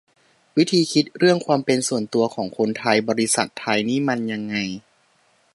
วิธีคิดเรื่องความเป็นส่วนตัวของคนไทยบริษัทไทยนี่มันยังไง